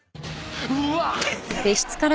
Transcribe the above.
うわっ！